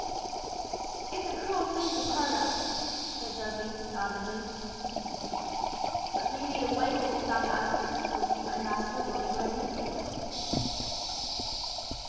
"It's a cruel thing to part us!" said Dudley, doggedly. "But may be a way will be found out of the difficulty by Master Roy going with you."